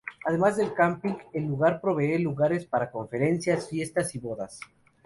Además del camping, el lugar provee lugares para conferencias, fiestas y bodas.